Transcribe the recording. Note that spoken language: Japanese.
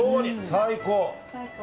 最高。